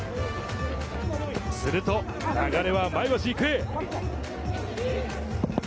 すると流れは前橋育英。